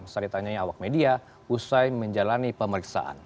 seri tanyanya awak media usai menjalani pemeriksaan